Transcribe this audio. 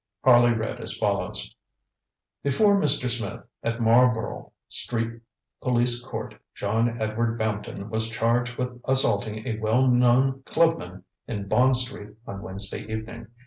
ŌĆØ Harley read as follows: ŌĆ£Before Mr. Smith, at Marlborough Street Police Court, John Edward Bampton was charged with assaulting a well known clubman in Bond Street on Wednesday evening.